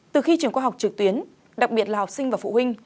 từ khi trường khoa học trực tuyến đặc biệt là học sinh và phụ huynh